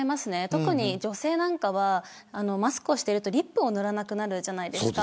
特に女性なんかはマスクをしているとリップを塗らなくなるじゃないですか